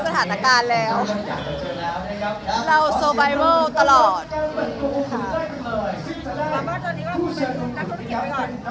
ความว่าตอนนี้ว่าคุณเป็นคุณนักธุรกิจไปก่อนใช่ไหมคะ